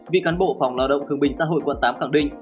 vị cán bộ phòng lao động thương binh xã hội quân tám khẳng định